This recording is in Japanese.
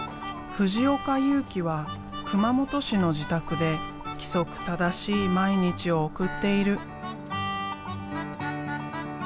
藤岡祐機は熊本市の自宅で規則正しい毎日を送っている。